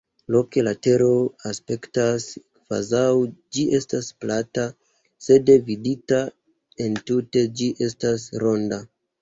Loke la Tero aspektas kvazaŭ ĝi estas plata, sed vidita entute ĝi estas ronda.